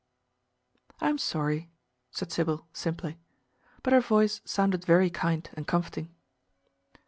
"I am sorry," said Sybil simply. But her voice sounded very kind and comforting.